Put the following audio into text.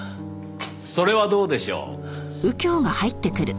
それはどうでしょう？